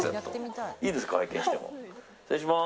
失礼します。